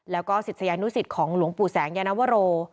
แล้วก็ศิษยานุสิตของหลวงปู่แสงยานวโร